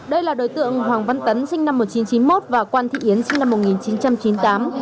đây là đối tượng hoàng văn tấn sinh năm một nghìn chín trăm chín mươi một và quan thị yến sinh năm một nghìn chín trăm chín mươi tám